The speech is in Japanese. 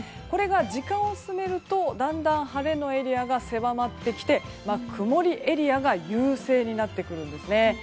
これが時間を進めるとだんだん晴れのエリアが狭まってきて曇りエリアが優勢になってくるんですね。